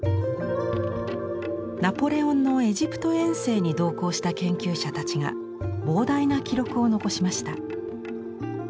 ナポレオンのエジプト遠征に同行した研究者たちが膨大な記録を残しました。